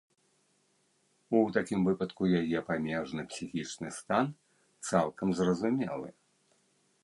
У такім выпадку яе памежны псіхічны стан цалкам зразумелы.